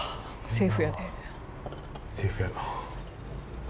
セーフやな。